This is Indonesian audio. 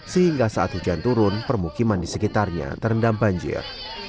sehingga saat hujan turun permukiman di sekitarnya terendam banjir